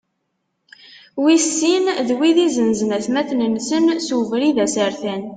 Wis sin, d wid izenzen atmaten-nsen s ubrid asertan.